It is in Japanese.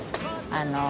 あの。